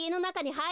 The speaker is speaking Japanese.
はい。